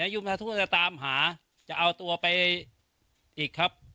ยุมพระทูตจะตามหาจะเอาตัวไปอีกครับ